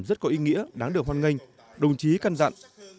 rất có ý nghĩa đáng được hoan nghênh đồng chí căn dặn